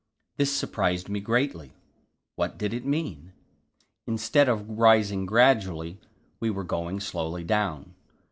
This surprised me greatly. What did it mean? Instead of rising gradually, we were going slowly down.